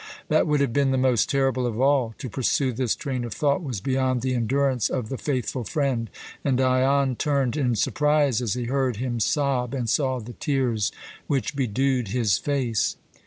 That would have been the most terrible of all. To pursue this train of thought was beyond the endurance of the faithful friend, and Dion turned in surprise as he heard him sob and saw the tears which bedewed his face.